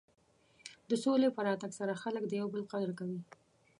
د سولې په راتګ سره خلک د یو بل قدر کوي.